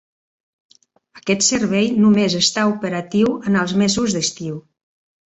Aquest servei només està operatiu en els mesos d'estiu.